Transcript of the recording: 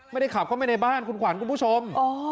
ไม่ได้ขับเข้าไปในบ้านคุณขวัญคุณผู้ชม